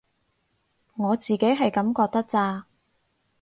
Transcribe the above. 我自己係噉覺得咋